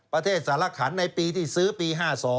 ประเทศสรรคันในปีที่ซื้อปี๕๒